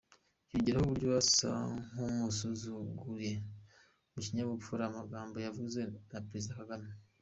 Kongeraho uburyo asa nk’uwasuzuguye mu kinyabupfura amagambo yavuzwe na Perezida Kagame.